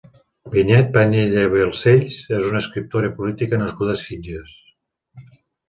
Vinyet Panyella i Balcells és una escriptora i política nascuda a Sitges.